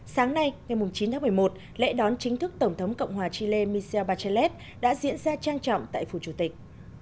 sáng nay ngày chín tháng một mươi một lễ đón chính thức tổng thống cộng hòa chile micel bachelles đã diễn ra trang trọng tại phủ chủ tịch